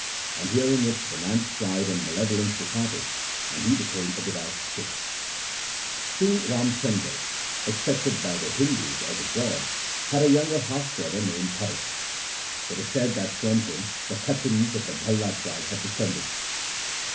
On hearing it the man's pride and malevolence departed, and he became a devout Sikh. King Ram Chandar, accepted by the Hindus as a god, had a younger half brother named Bharat. It is said that from him the Khatris of the Bhalla tribe have descended.